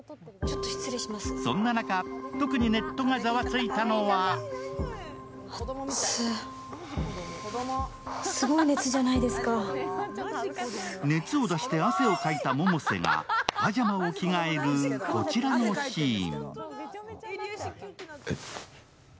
そんな中、特にネットがザワついたのは熱を出して汗をかいた百瀬がパジャマを着替えるこちらのシーン。